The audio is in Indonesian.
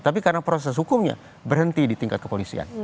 tapi karena proses hukumnya berhenti di tingkat kepolisian